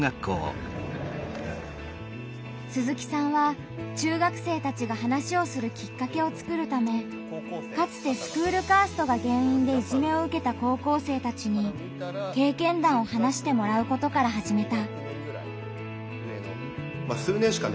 鈴木さんは中学生たちが話をするきっかけを作るためかつてスクールカーストが原因でいじめを受けた高校生たちに経験談を話してもらうことから始めた。